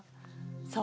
そう。